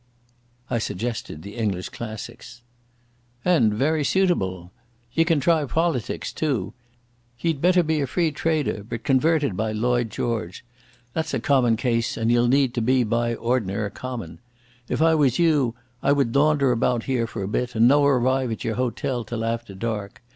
I suggested the English classics. "And very suitable. Ye can try poalitics, too. Ye'd better be a Free trader but convertit by Lloyd George. That's a common case, and ye'll need to be by ordinar common.... If I was you, I would daunder about here for a bit, and no arrive at your hotel till after dark.